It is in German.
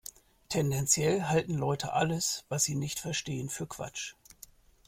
Tendenziell halten Leute alles, was sie nicht verstehen, für Quatsch.